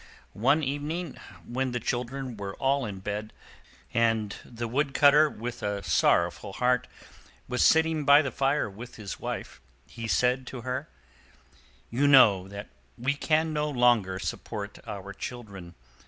One evening, when the children were all in bed, and the Wood cutter with a sorrowful heart, was sitting by the fire with his wife, he said to her: "You know that we can no longer support our children.